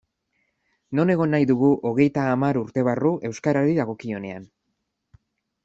Non egon nahi dugu hogeita hamar urte barru euskarari dagokionean?